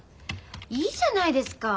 いいじゃないですか。